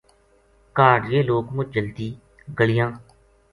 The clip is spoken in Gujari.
کاہڈ یہ لوک مچ جلدی گلیاں